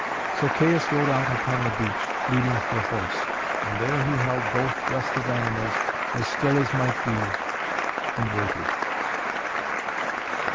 So Caius rode out upon the beach, leading her horse; and there he held both restive animals as still as might be, and waited.